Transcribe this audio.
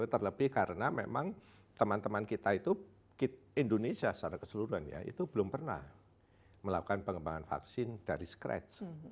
terlebih karena memang teman teman kita itu indonesia secara keseluruhan ya itu belum pernah melakukan pengembangan vaksin dari scratch